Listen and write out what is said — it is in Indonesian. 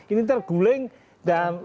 ini terguling dan